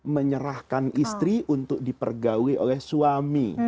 menyerahkan istri untuk dipergawe oleh suami